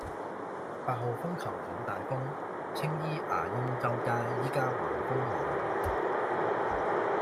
八號風球好大風，青衣牙鷹洲街依家橫風橫雨